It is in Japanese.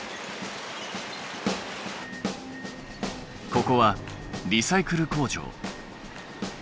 ここはリサイクル工場。